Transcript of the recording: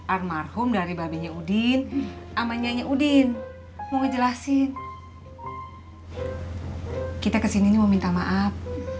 armarhum dari babenya udin ama nyanya udin mau ngejelasin kita kesini mau minta maaf